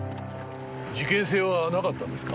事件性はなかったんですか？